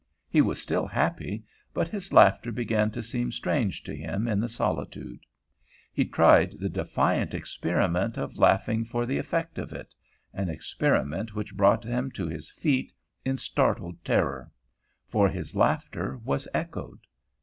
He was still happy, but his laughter began to seem strange to him in the solitude. He tried the defiant experiment of laughing for the effect of it, an experiment which brought him to his feet in startled terror; for his laughter was echoed.